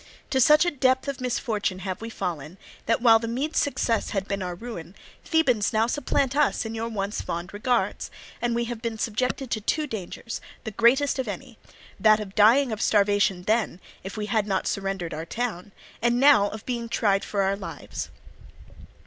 To such a depth of misfortune have we fallen that, while the Medes' success had been our ruin, Thebans now supplant us in your once fond regards; and we have been subjected to two dangers, the greatest of any—that of dying of starvation then, if we had not surrendered our town, and now of being tried for our lives.